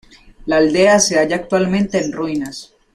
La aldea se halla actualmente en ruinas.